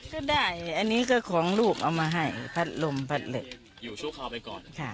ก็ได้อันนี้ก็ของลูกเอามาให้พัดลมพัดเหล็กอยู่ชั่วคราวไปก่อน